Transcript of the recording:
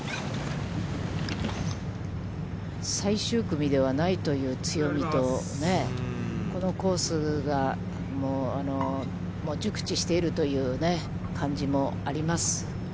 最終組ではないという強みと、このコースが熟知しているという感じもあります。